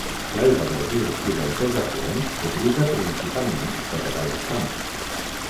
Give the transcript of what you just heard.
L'aigua del riu i dels seus afluents s'utilitza principalment per regar els camps.